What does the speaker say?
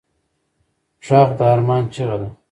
غږ د ارمان چیغه ده